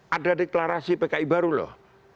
ada deklarasi pki baru loh